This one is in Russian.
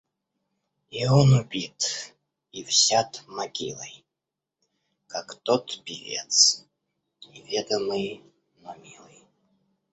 И он убит — и взят могилой, Как тот певец, неведомый, но милый